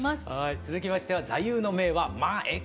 続きましては座右の銘は「まぁええか！」